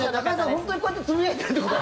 本当にこうやってつぶやいてるってこと？